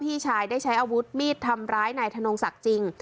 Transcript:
พี่ชายได้ใช้อาวุธมีดทำร้ายนายธนงศักดิ์จริง